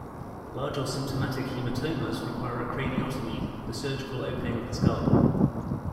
Large or symptomatic hematomas require a craniotomy, the surgical opening of the skull.